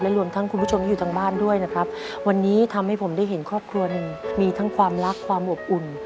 รวมทั้งคุณผู้ชมที่อยู่ทางบ้านด้วยนะครับวันนี้ทำให้ผมได้เห็นครอบครัวหนึ่งมีทั้งความรักความอบอุ่น